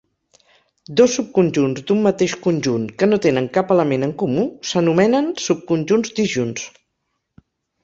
Dos subconjunts d'un mateix conjunt que no tenen cap element en comú s'anomenen subconjunts disjunts.